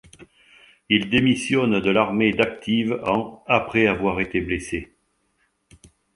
Il démissionne de l'armée d'active en après avoir été blessé.